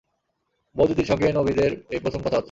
বউদিদির সঙ্গে নবীদের এই প্রথম কথাবার্তা।